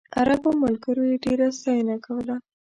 عربو ملګرو یې ډېره ستاینه کوله.